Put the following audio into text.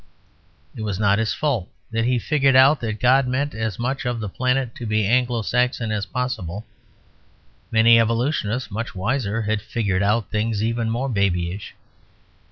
It was not his fault that he "figured out that God meant as much of the planet to be Anglo Saxon as possible." Many evolutionists much wiser had "figured out" things even more babyish.